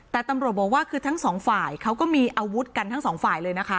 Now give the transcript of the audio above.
แต่ตำรวจบอกว่าคือทั้งสองฝ่ายเขาก็มีอาวุธกันทั้งสองฝ่ายเลยนะคะ